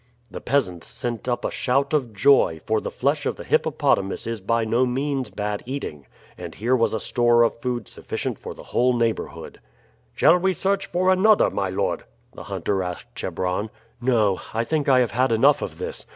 The peasants sent up a shout of joy, for the flesh of the hippopotamus is by no means bad eating, and here was a store of food sufficient for the whole neighborhood. "Shall we search for another, my lord?" the hunter asked Chebron. "No. I think I have had enough of this.